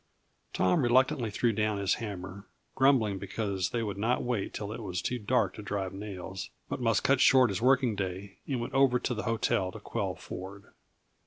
Tom reluctantly threw down his hammer, grumbling because they would not wait till it was too dark to drive nails, but must cut short his working day, and went over to the hotel to quell Ford.